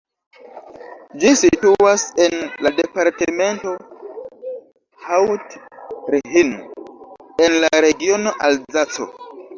Ĝi situas en la departemento Haut-Rhin en la regiono Alzaco.